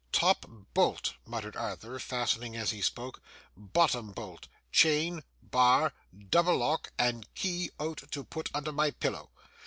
'Top bolt,' muttered Arthur, fastening as he spoke, 'bottom bolt, chain, bar, double lock, and key out to put under my pillow!